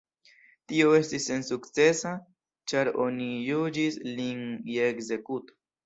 Tio estis sensukcesa, ĉar oni juĝis lin je ekzekuto.